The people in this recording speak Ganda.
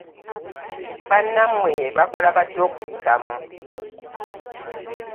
Bannammwe baakola batya okuyitamu?